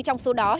trong số đó